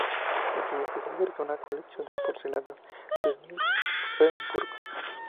El primer piso alberga una colección de porcelanas de Nymphenburg.